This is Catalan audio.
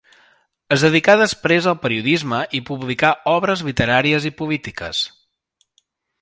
Es dedicà després al periodisme i publicà obres literàries i polítiques.